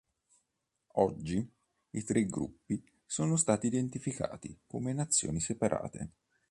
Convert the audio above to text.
Oggi, i tre gruppi sono stati identificati come nazioni separate.